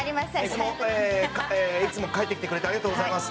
いつもえーいつも帰ってきてくれてありがとうございます。